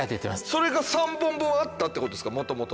それが３本分あったってことですかもともと？